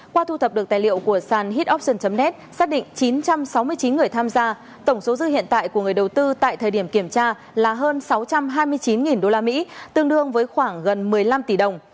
qua thu thập được tài liệu của sàn het oxi net xác định chín trăm sáu mươi chín người tham gia tổng số dư hiện tại của người đầu tư tại thời điểm kiểm tra là hơn sáu trăm hai mươi chín usd tương đương với khoảng gần một mươi năm tỷ đồng